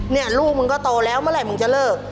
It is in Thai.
เนี่ยลูกมึงก็โตแล้วเมื่อไหร่มึงจะเลิก